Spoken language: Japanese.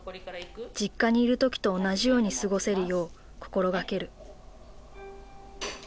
実家にいる時と同じように過ごせるよう心掛ける。